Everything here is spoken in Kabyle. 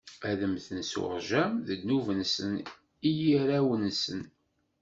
Ad mmten s uṛjam: ddnub-nsen i yirawen-nsen.